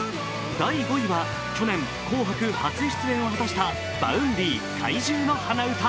第５位は去年、「紅白」初出演を果たしたＶａｕｎｄｙ、「怪獣の花唄」。